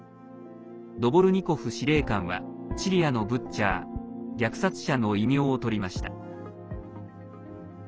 ドボルニコフ司令官はシリアのブッチャー虐殺者の異名をとりました。